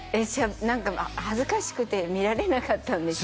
何か恥ずかしくて見られなかったんですよ